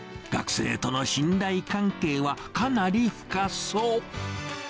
学生との信頼関係はかなり深そう。